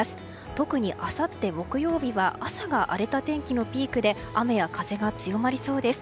特にあさって木曜日は朝が、荒れた天気のピークで雨や風が強まりそうです。